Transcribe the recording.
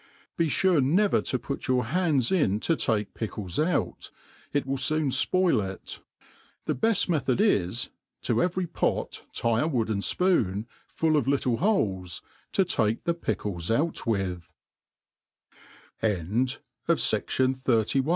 Be Ture ne ver to put your hands in to take pickles out, it will foon fpojl jt. The beft method is, to every pot tie a wooden. fpoon, full of litUe holcs^ to take the pickles out with* T4 CHAP. i8o THE ART OF